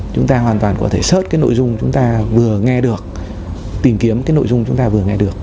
chúng ta hoàn toàn có thể xớt cái nội dung chúng ta vừa nghe được tìm kiếm cái nội dung chúng ta vừa nghe được